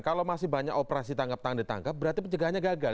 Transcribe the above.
kalau masih banyak operasi tangkap tangan ditangkap berarti pencegahannya gagal